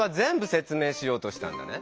せつ明しようとしたんだね。